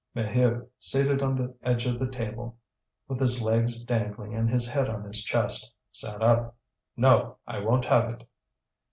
Maheu, seated on the edge of the table, with his legs dangling and his head on his chest, sat up. "No! I won't have it!"